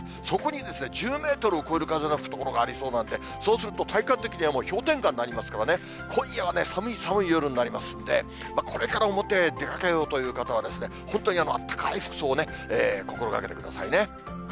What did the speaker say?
そこに１０メートルを超える風の吹く所がありそうなんで、そうすると、体感的にはもうもう氷点下になりますからね、今夜は、寒い寒い夜になりますんで、これから表へ出かけようという方は、本当にあったかい服装を心がけてくださいね。